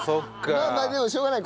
まあまあでもしょうがない。